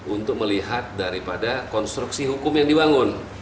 untuk melihat daripada konstruksi hukum yang dibangun